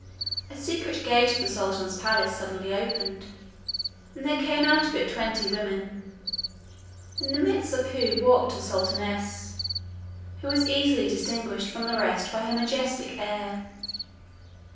A secret gate of the sultan's palace suddenly opened, and there came out of it twenty women, in the midst of whom walked the sultaness, who was easily distinguished from the rest by her majestic air.